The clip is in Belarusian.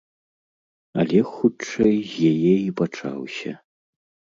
Але, хутчэй, з яе і пачаўся.